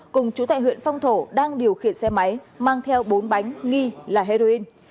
cùng chú tại huyện phong thổ đang điều khiển xe máy mang theo bốn bánh nghi là heroin